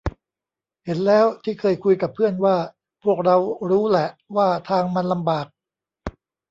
เห็นแล้วที่เคยคุยกับเพื่อนว่า พวกเรารู้แหละว่าทางมันลำบาก